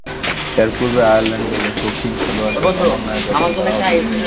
এরপূর্বে আয়ারল্যান্ড দলে শৌখিন খেলোয়াড়দের সমন্বয়ে গঠন করা হতো।